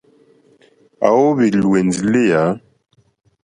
À wóhwì lùwɛ̀ndì lééyà.